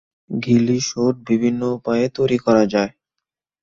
ঘিলি suit বিভিন্ন উপায়ে তৈরি করা যায়।